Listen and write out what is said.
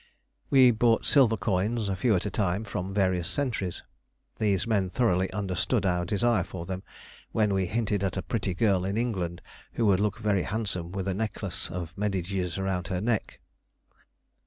We bought silver coins, a few at a time, from various sentries. These men thoroughly understood our desire for them when we hinted at a pretty girl in England who would look very handsome with a necklace of medjidies round her neck.